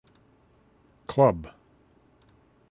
Club.